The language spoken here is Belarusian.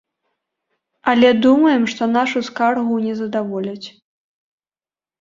Але думаем, што нашу скаргу не задаволяць.